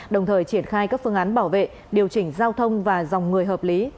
đồng thời triển khai các phương án bảo vệ điều chỉnh giao thông và dòng người hợp lý